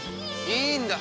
いいんだ。